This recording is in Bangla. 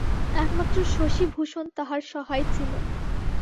একমাত্র শশিভূষণ তাহার সহায় ছিল।